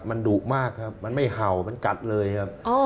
มันดุมากครับมันไม่เห่ามันกัดเลยครับ